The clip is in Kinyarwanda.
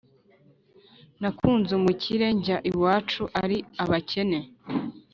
nakunze umukire njye iwacu ari abakene…